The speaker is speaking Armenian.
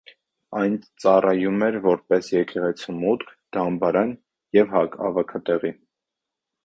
Այն ծառայում էր որպես եկեղեցու մուտք, դամբարան և հավաքատեղի։